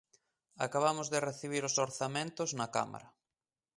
Acabamos de recibir os orzamentos na Cámara.